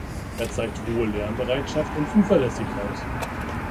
Er zeigt hohe Lernbereitschaft und Zuverlässigkeit.